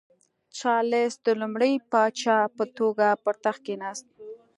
چارلېس د لومړي پاچا په توګه پر تخت کېناست.